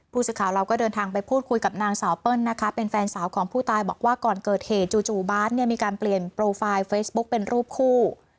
ผู้สื่อข่าวเราก็เดินทางไปพูดคุยกับนางสาวเปิ้ลนะคะเป็นแฟนสาวของผู้ตายบอกว่าก่อนเกิดเหตุจู่บาร์ดเนี่ยมีการเปลี่ยนโปรไฟล์เฟซบุ๊กเป็นรูปคู่